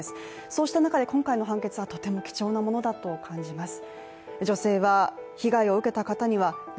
そうした中で今回の判決はとても貴重なものだと感じます。